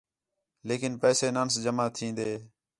لیکن پیسے نانس جمع تِھین٘دے